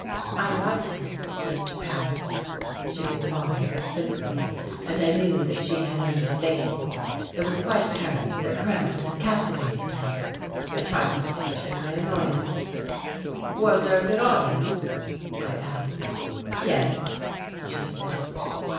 "I liked it, Mr. Paret," she replied simply, and I knew that she had understated. It was quite apparent that Krebs had captivated her. I tried not to betray my annoyance. "Was there a good audience?" I asked. "Yes," she said.